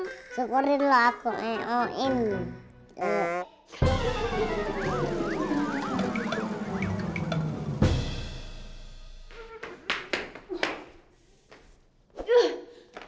sekurang kurangnya aku eo ini